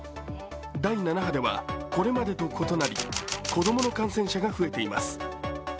第７波ではこれまでと異なり、子供の感染者が増えています。